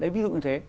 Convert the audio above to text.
ví dụ như thế